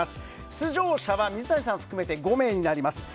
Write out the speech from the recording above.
出場者は水谷さんを含めて５名になります。